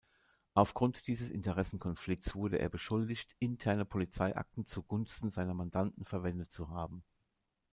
Aufgrund dieses Interessenkonflikts wurde er beschuldigt, interne Polizeiakten zugunsten seiner Mandanten verwendet zu haben.